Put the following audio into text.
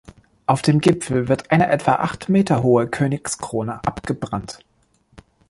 Auf dem Gipfel wird eine etwa acht Meter hohe Königskrone abgebrannt.